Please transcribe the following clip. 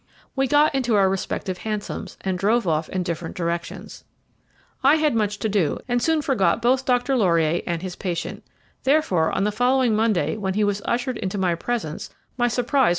We got into our respective hansoms, and drove off in different directions. I had much to do, and soon forgot both Dr. Laurier and his patient; therefore, on the following Monday, when he was ushered into my presence, my surprise was great.